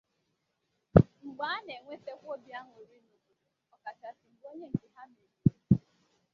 Mgba na- ewetakwa obi añụrị n’obodo ọ kachasị mgbe onye nke ha meriri.